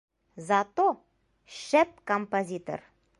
Зато -шәп композитор!